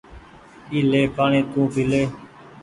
اي لي پآڻيٚ تونٚ پيلي